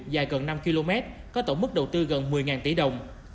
dài gần năm km có tổng mức đầu tư gần một mươi tỷ đồng